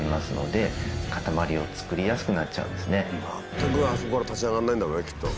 全くあそこから立ち上がんないんだろうねきっと。